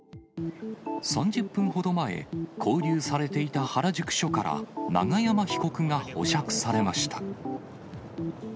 ３０分ほど前、勾留されていた原宿署から、永山被告が保釈されました。